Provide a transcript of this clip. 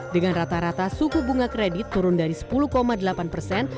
dengan rata rata suku bunga kredit turun dari sepuluh delapan persen